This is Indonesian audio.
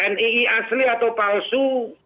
nii asli atau palsu